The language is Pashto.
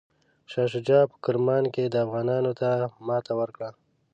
شاه شجاع په کرمان کې افغانانو ته ماته ورکړه.